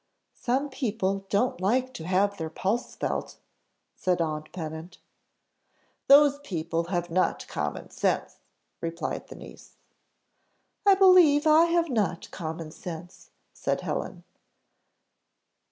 "Some people don't like to have their pulse felt," said aunt Pennant. "Those people have not common sense," replied the niece. "I believe I have not common sense," said Helen.